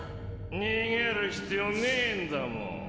逃げる必要ねぇんだもん。